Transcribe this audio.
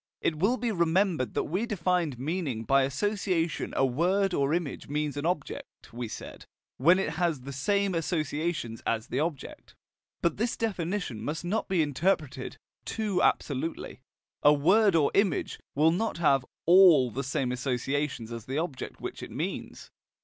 It will be remembered that we defined meaning by association a word or image means an object, we said, when it has the same associations as the object. But this definition must not be interpreted too absolutely: a word or image will not have ALL the same associations as the object which it means.